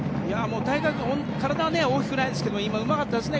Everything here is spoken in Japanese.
体は大きくないですけど今、うまかったですね。